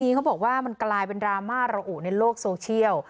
เขาบอกว่ามันกลายเป็นดราม่าระอุในโลกโซเชียล